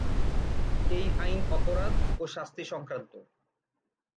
এ আইন অপরাধ ও শাস্তি সংক্রান্ত।